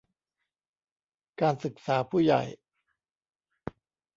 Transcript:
การศึกษาผู้ใหญ่